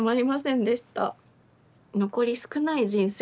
残り少ない人生